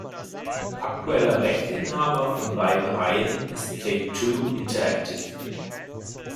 Aktueller Rechteinhaber von beiden Reihen ist Take-Two Interactive.